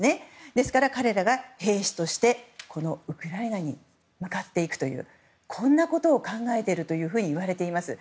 ですから、彼らが兵士としてウクライナに向かっていくというこんなことを考えているといわれています。